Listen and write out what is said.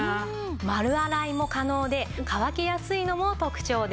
丸洗いも可能で乾きやすいのも特徴です。